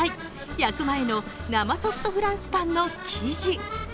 焼く前の生ソフトフランスパンの生地。